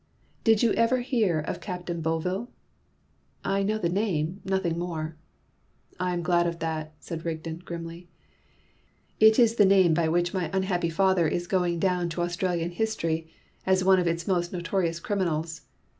"Did you ever hear of Captain Bovill?" "I know the name, nothing more." "I am glad of that," said Rigden, grimly. "It is the name by which my unhappy father is going down to Australian history as one of its most notorious criminals.